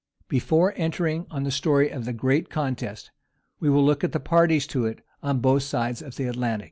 Before entering on the story of the great contest, we will look at the parties to it on both sides of the Atlantic.